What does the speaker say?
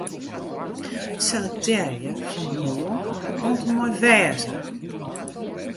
Selektearje fan 'Moarn' oant en mei 'wêze'.